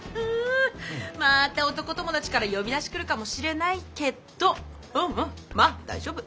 また男友達から呼び出し来るかもしれないけどうんうんまあ大丈夫。